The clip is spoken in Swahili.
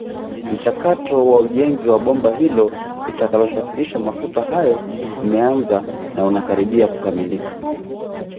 Mchakato wa ujenzi wa bomba hilo litakalosafirisha mafuta hayo umeanza na unakaribia kukamilika